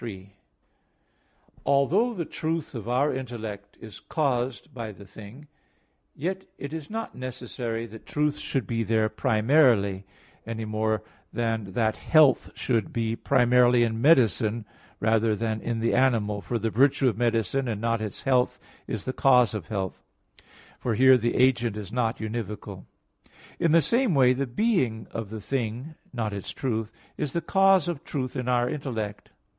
3: Although the truth of our intellect is caused by the thing, yet it is not necessary that truth should be there primarily, any more than that health should be primarily in medicine, rather than in the animal: for the virtue of medicine, and not its health, is the cause of health, for here the agent is not univocal. In the same way, the being of the thing, not its truth, is the cause of truth in the intellect.